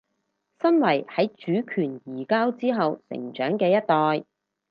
身為喺主權移交之後成長嘅一代